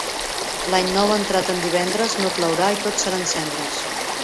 L'any nou entrat en divendres, no plourà i tot seran cendres.